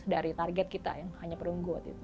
dari target kita yang hanya perungguat itu